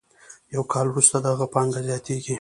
یو کال وروسته د هغه پانګه زیاتېږي